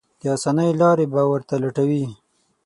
د اسانۍ لارې به ورته لټوي.